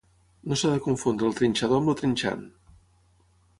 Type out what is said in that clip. No s'ha de confondre el trinxador amb el trinxant.